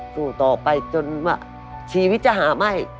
สู้ต่อไปจนว่าชีวิตจะหาไหม้